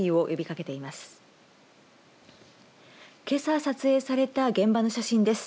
けさ撮影された現場の写真です。